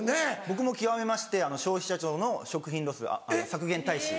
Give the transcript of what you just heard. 僕も極めまして消費者庁の食品ロス削減大使。